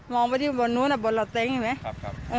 องไปที่บนนู้นบนละเต็งเห็นไหม